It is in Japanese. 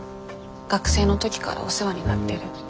学生の時からお世話になってる。